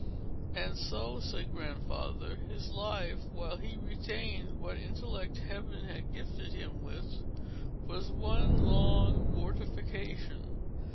"And so," said Grandfather, "his life, while he retained what intellect Heaven had gifted him with, was one long mortification.